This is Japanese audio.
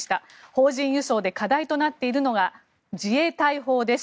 邦人輸送で課題となっているのが自衛隊法です。